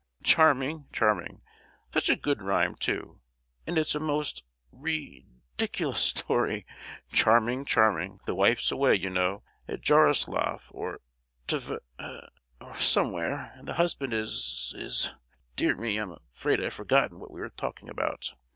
Charming, charming—such a good rhyme too; and it's a most ri—diculous story! Charming, charming; the wife's away, you know, at Jaroslaf or Tv—— or somewhere, and the husband is——is——Dear me! I'm afraid I've forgotten what we were talking about!